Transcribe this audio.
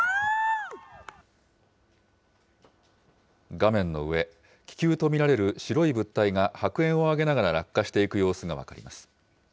画面の上、気球と見られる白い物体が白煙を上げながら落下していく様子が分かります。